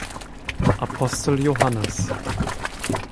Apostel Johannes.